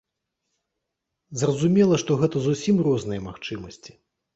Зразумела, што гэта зусім розныя магчымасці.